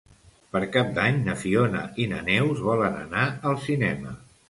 Per Cap d'Any na Fiona i na Neus volen anar al cinema.